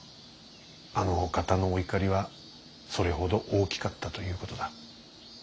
あのお方のお怒りはそれほど大きかったということだ。